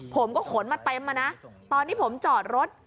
ผมก็ขนมาเต็มมานะตอนที่ผมจอดรถ